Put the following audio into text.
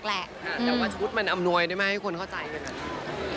แต่ว่าสมมุติมันอำนวยได้ไหมให้คนเข้าใจกันอ่ะ